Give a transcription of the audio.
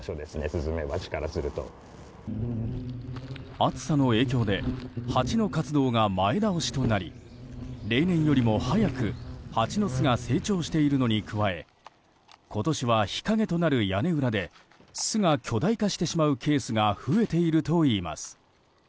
暑さの影響でハチの活動が前倒しとなり例年よりも早くハチの巣が成長しているのに加え今年は日陰となる屋根裏で巣が巨大化してしまうケースが増えているといいます。